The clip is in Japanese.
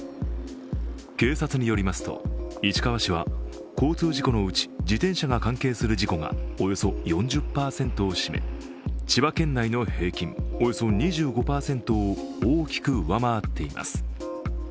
警察によりますと、市川市は交通事故のうち自転車が関係する事故がおよそ４０％を占め千葉県内の平均およそ２５％を大きく上回っています。